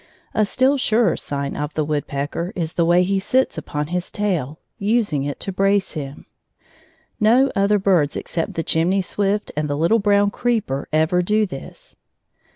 A still surer sign of the woodpecker is the way he sits upon his tail, using it to brace him. No other birds except the chimney swift and the little brown creeper ever do this.